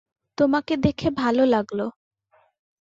তোমাকে দেখে ভালো লাগলো।